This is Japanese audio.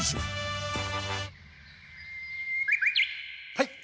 はい！